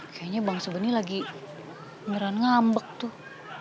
kayaknya bang sabeni lagi ngeran ngambek tuh